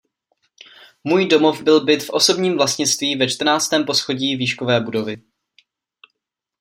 Můj domov byl byt v osobním vlastnictví ve čtrnáctém poschodí výškové budovy.